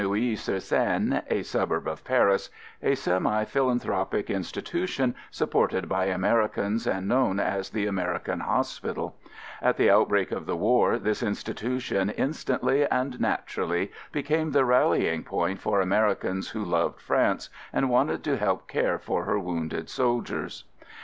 144 INTRODUCTION For many years before the war there existed at Neuilly sur Seine, a suburb of Paris, a semi philanthropic institution supported by Americans and known as the American Hospital. At the outbreak of the war this institution instantly and naturally became the rallying point for Americans who loved France and wanted to help care for her wounded soldiers.